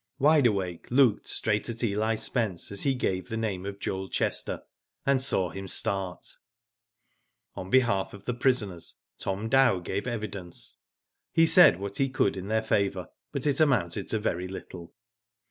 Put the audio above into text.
Wide Awake looked straight at Eli Spence as he gave the name of Joel Chester, and saw him start. On behalf of the prisoners, Tom Dow gave evidence. He said what he could in their favour, but it amounted to very little.